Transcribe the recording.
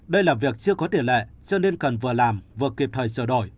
đây là việc chưa có tiền lệ cho nên cần vừa làm vừa kịp thời sửa đổi